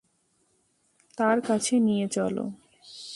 তার কাছে নিয়ে চলো।